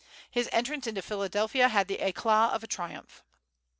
His entrance into Philadelphia "had the éclat of a triumph."